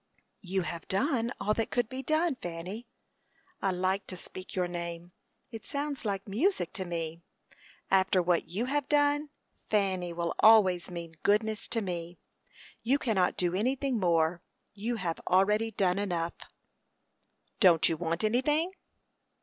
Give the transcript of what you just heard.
"You have done all that could be done, Fanny. I like to speak your name. It sounds like music to me. After what you have done, Fanny will always mean goodness to me. You cannot do anything more; you have already done enough." "Don't you want anything?"